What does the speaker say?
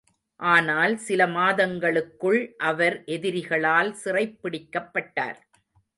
ஆனால், சில மாதங்களுக்குள் அவர் எதிரிகளால் சிறைபிடிக்கப் பட்டார்.